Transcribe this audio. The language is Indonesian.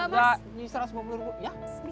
satu ratus lima puluh per hari